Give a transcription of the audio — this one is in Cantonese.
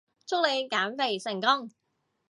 祝你減肥成功